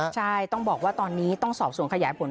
ใช่ต้องบอกว่าตอนนี้ต้องสอบสวนขยายผล